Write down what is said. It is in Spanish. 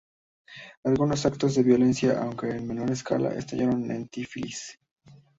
Algunos actos de violencia, aunque en menor escala estallaron en Tiflis.